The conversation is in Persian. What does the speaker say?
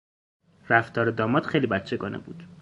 رفتار داماد خیلی بچگانه بود.